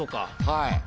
はい。